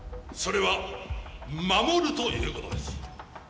それは守るという事です。